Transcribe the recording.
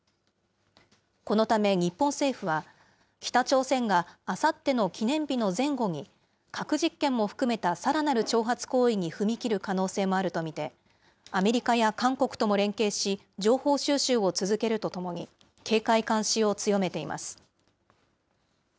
このため日本政府は、北朝鮮があさっての記念日の前後に、核実験も含めたさらなる挑発行為に踏み切る可能性もあると見て、アメリカや韓国とも連携し、情報収集を続けるとともに、警戒監視を強めています。